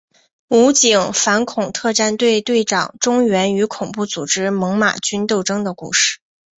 武警反恐特战队队长钟原与恐怖组织猛玛军斗争的故事。